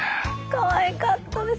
かわいかったです。